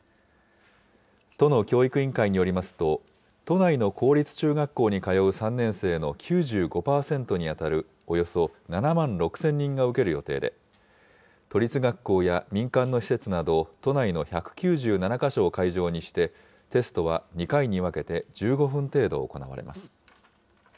都の教育委員会によりますと、都内の公立中学校に通う３年生の９５％に当たるおよそ７万６０００人が受ける予定で、都立学校や民間の施設など、都内の１９７か所を会場にして、テストは２回に分けて１５分程度行われます。